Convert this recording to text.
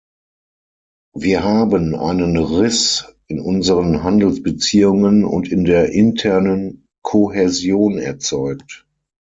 Wir haben einen Riss in unseren Handelsbeziehungen und in der internen Kohäsion erzeugt.